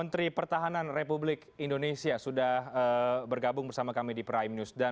terima kasih pak prabowo